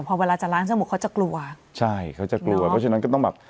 พอเวลาจะล้างจมูกเขาจะกลัวใช่เขาจะกลัวเพราะฉะนั้นก็ต้องแบบ